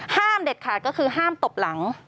ห้ามเด็ดขาดก็คือห้ามตบหลัง